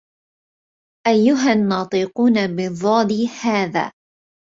أيها الناطقون بالضاد هذا